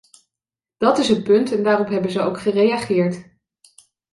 Dat is het punt en daarop hebben zij ook gereageerd.